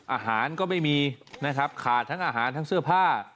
อาหารก็ไม่มีนะครับขาดทั้งอาหารทั้งเสื้อผ้า